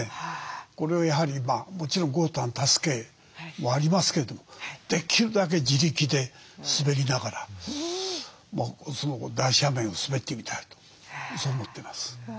これをやはりもちろん豪太の助けもありますけどできるだけ自力で滑りながら大斜面を滑ってみたいとそう思ってます。